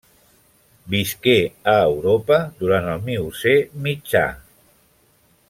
Visqué a Europa durant el Miocè mitjà.